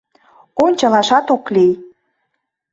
Ончалашат ок лий...